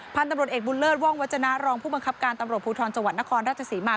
พันธุ์ตำรวจเอกบุญเลิศว่องวัจจนารองผู้บังคับการตำรวจภูทรจังหวัดนครราชศรีมา